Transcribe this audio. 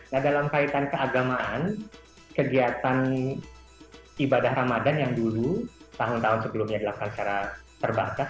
nah dalam kaitan keagamaan kegiatan ibadah ramadhan yang dulu tahun tahun sebelumnya dilakukan secara terbatas